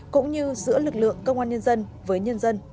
cũng như giữa lực lượng công an nhân dân với nhân dân